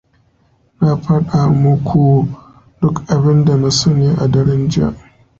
Na fada muku duk abinda na sani a daren jiya.